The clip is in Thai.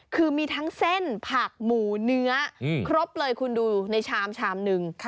คือมีทั้งเส้นผักหมูเนื้อครบเลยคุณดูในชามชามหนึ่ง